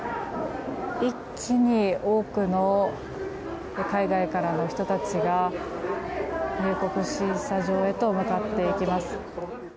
一気に多くの海外からの人たちが入国審査場へと向かっていきます。